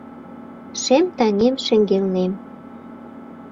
Шем таҥем шеҥгелнем